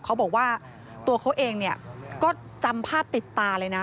เขาบอกว่าตัวเขาเองเนี่ยก็จำภาพติดตาเลยนะ